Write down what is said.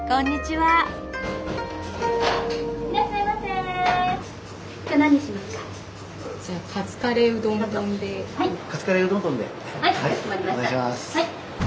はい。